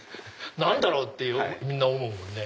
何だろう？ってみんな思うもんね。